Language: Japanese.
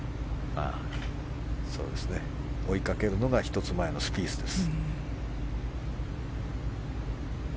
追いかけるのが１つ前のスピースです。